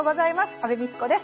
安部みちこです。